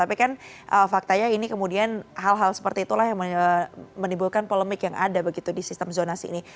tapi kan faktanya ini kemudian hal hal seperti itulah yang menimbulkan polemik yang ada begitu di sistem zonasi ini